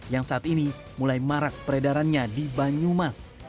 yang saat ini mulai marak peredarannya di banyumas